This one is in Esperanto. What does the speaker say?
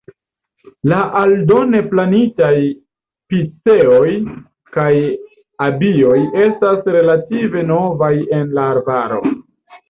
La aldone plantitaj piceoj kaj abioj estas relative novaj en la arbaro.